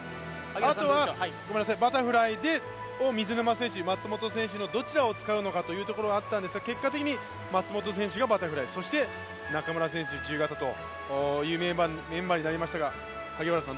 あとはバタフライに水沼選手、松元選手どちらを使うのかというところがあったんですが結果的に松元選手がバタフライ、中村選手、自由形というメンバーになりましたが、萩原さん